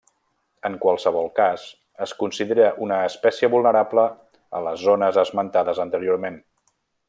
En qualsevol cas es considera una espècie vulnerable a les zones esmentades anteriorment.